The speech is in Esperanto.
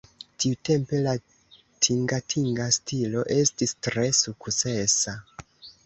Tiutempe la tingatinga stilo estis tre sukcesa.